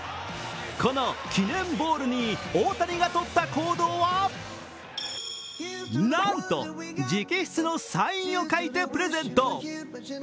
この記念ボールに大谷がとった行動はなんと直筆のサインを書いてプレゼント。